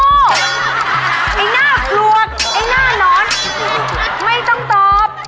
ไอ้หน้าปลวกไอ้หน้านอนไม่ต้องตอบ